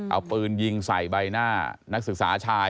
เอาปืนยิงใส่ใบหน้านักศึกษาชาย